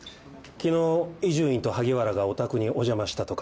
昨日伊集院と萩原がお宅にお邪魔したとか。